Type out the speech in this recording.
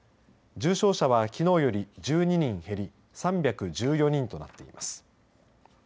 重症者は、きのうより１２人減り３１４人となっています。